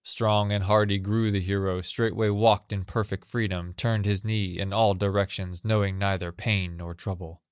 Strong and hardy grew the hero, Straightway walked in perfect freedom, Turned his knee in all directions, Knowing neither pain nor trouble.